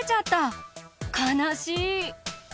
かなしい。